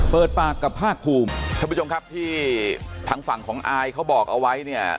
เปิดปากกับภาคภูมิท่านผู้ชมครับที่ทางฝั่งของอายเขาบอกเอาไว้เนี่ย